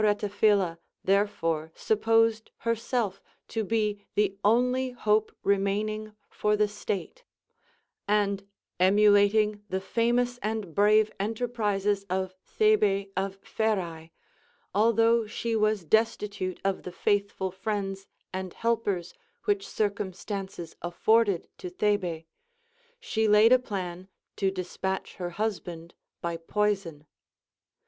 Are taphila therefore supposed herself to be the only hope remaining for the state ; and emulating the famous and brave enterprises of Thebe of Pherae, although she was destitute of the faithfiu friends and helpers which circum stances afforded to Thebe, she laid a plan to despatch her husband by poison.